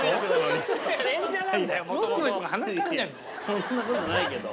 そんな事ないけど。